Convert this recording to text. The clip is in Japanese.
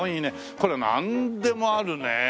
これなんでもあるね。